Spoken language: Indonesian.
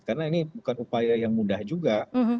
karena ini bukan upaya yang mudah juga